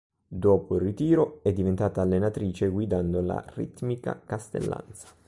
Dopo il ritiro è diventata allenatrice, guidando la Ritmica Castellanza.